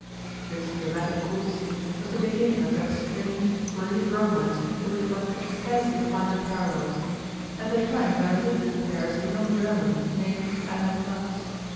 This dramatic court scene was the beginning of that strange, brief romance to which one can scarcely find a parallel. At the time there lived in Paris a young German named Adam Lux.